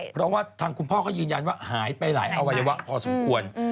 เพราะว่าทางคุณพ่อก็ยืนยันว่าหายไปหลายอวัยวะพอสมควร